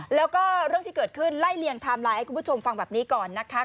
แล้วก็เรื่องที่เกิดขึ้นไล่เลี่ยงไทม์ไลน์ให้คุณผู้ชมฟังแบบนี้ก่อนนะคะ